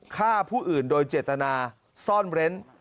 ฆ่าผู้อื่นโดยเจตนาซ่อนเร้น